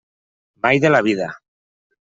Mai de la vida!